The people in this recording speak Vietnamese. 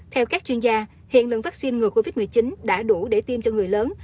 theo các chuyên gia hiện lượng vaccine ngừa covid một mươi chín đã đủ để tiêm cho người lớn